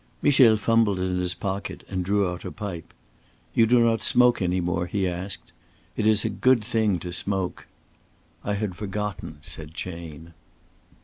Michel fumbled in his pocket and drew out a pipe. "You do not smoke any more?" he asked. "It is a good thing to smoke." "I had forgotten," said Chayne.